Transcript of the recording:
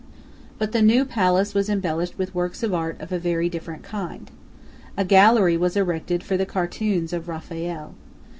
But the new palace was embellished with works of art of a very different kind. A gallery was erected for the cartoons of Raphael.